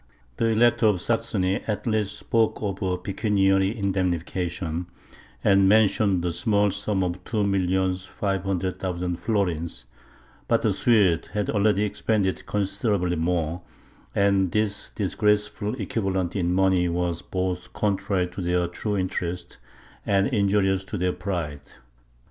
The Elector of Saxony at last spoke of a pecuniary indemnification, and mentioned the small sum of two millions five hundred thousand florins; but the Swedes had already expended considerably more, and this disgraceful equivalent in money was both contrary to their true interests, and injurious to their pride.